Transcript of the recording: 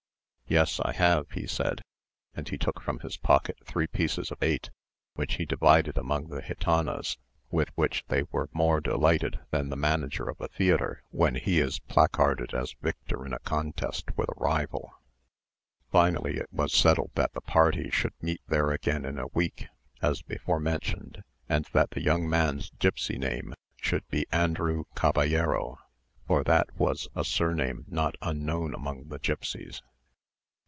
"Yes, I have," he said, and he took from his pocket three pieces of eight which he divided among the gitanas, with which they were more delighted than the manager of a theatre when he is placarded as victor in a contest with a rival. Finally it was settled that the party should meet there again in a week, as before mentioned, and that the young man's gipsy name should be Andrew Caballero, for that was a surname not unknown among the gipsies.